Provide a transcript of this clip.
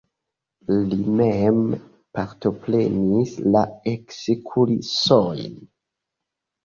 Li mem partoprenis la ekskursojn.